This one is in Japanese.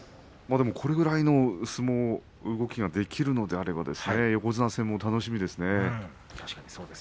これぐらいの相撲動きができるのであれば横綱戦も楽しみですね。